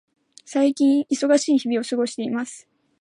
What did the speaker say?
最近、忙しい日々を過ごしています。